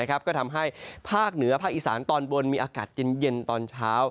ก็ทำให้ภาคเหนือภาคอีสานตอนบนมีอากาศเย็นตอนเช้า